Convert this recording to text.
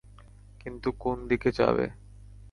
কিন্তু কোন দিকে যাবে?